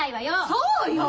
そうよ！